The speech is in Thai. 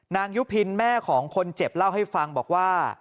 ยุพินแม่ของคนเจ็บเล่าให้ฟังบอกว่า